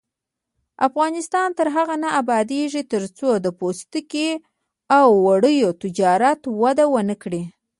افغانستان تر هغو نه ابادیږي، ترڅو د پوستکي او وړیو تجارت وده ونه کړي.